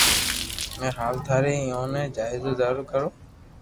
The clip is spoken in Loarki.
۾ ھال ٿاري ايويي خاتر دارو ڪرو